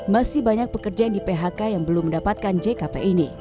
masih banyak pekerjaan di phk yang belum mendapatkan jkp